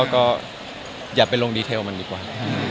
ก็อย่าไปลงดีเทลมันดีกว่า